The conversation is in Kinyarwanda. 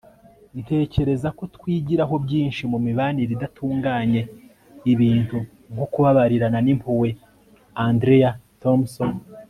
ntekereza ko twigiraho byinshi mu mibanire idatunganye - ibintu nko kubabarirana n'impuhwe. - andrea thompson